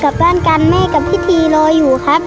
กลับบ้านกันแม่กับพี่พีรออยู่ครับ